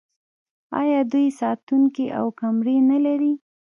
آیا دوی ساتونکي او کمرې نلري؟